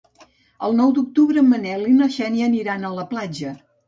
El nou d'octubre en Manel i na Xènia aniran a la platja.